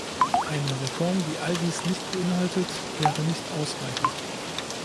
Eine Reform, die all dies nicht beinhaltet, wäre nicht ausreichend.